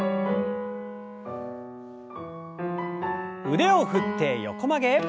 腕を振って横曲げ。